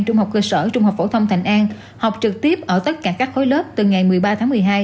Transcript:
trung học cơ sở trung học phổ thông thành an học trực tiếp ở tất cả các khối lớp từ ngày một mươi ba tháng một mươi hai